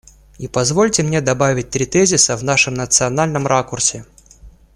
И позвольте мне добавить три тезиса в нашем национальном ракурсе.